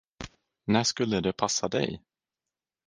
När skulle det passa dig?